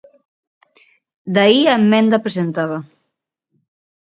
De aí a emenda presentada.